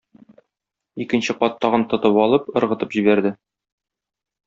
Икенче кат тагын тотып алып, ыргытып җибәрде.